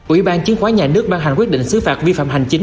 ủy ban chứng khoán nhà nước ban hành quyết định xứ phạt vi phạm hành chính